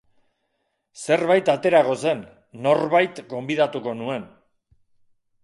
Zerbait aterako zen, norbait gonbidatuko nuen.